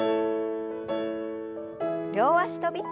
両脚跳び。